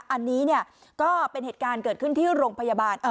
อันนี้เนี่ยก็เป็นเหตุการณ์เกิดขึ้นที่โรงพยาบาล